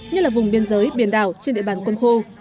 như là vùng biên giới biển đảo trên địa bàn quân khu